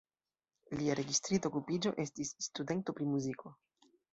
Lia registrita okupiĝo estis "studento pri muziko".